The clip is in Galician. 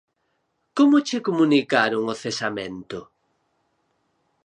Como che comunicaron o cesamento?